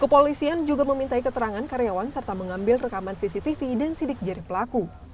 kepolisian juga memintai keterangan karyawan serta mengambil rekaman cctv dan sidik jari pelaku